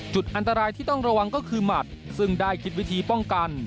จุดอันตรายที่ต้องระวังก็คือหมัดซึ่งได้คิดวิธีป้องกัน